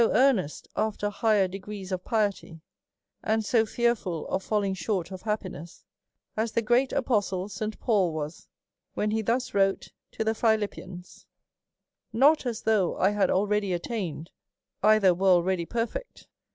25 earnest after higher degrees of piety, and so fearful of falling short of happiness, as the great Apostle St. Paul was, when he thus wrote to the Philippians :" Not as though I had already attained, either were already perfect.